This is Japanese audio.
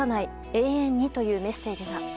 永遠に！」というメッセージが。